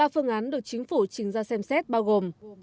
ba phương án được chính phủ trình ra xem xét bao gồm